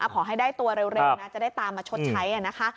ขอให้ได้ตัวเร็วนะจะได้ตามมาชดใช้นะคะ